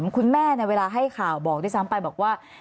คุณแม่เวลาให้ข่าวบอกด้วยซ้ำไปบอกว่า